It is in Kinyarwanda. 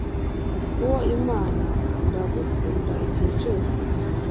Uwo mama Ndagukunda igihe cyose